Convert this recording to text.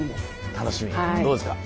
楽しみです。